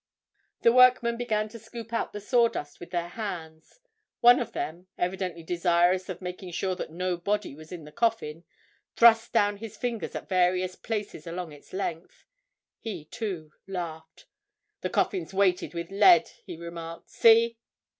The workmen began to scoop out the sawdust with their hands; one of them, evidently desirous of making sure that no body was in the coffin, thrust down his fingers at various places along its length. He, too, laughed. "The coffin's weighted with lead!" he remarked. "See!"